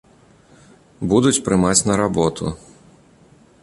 Будуць прымаць на работу.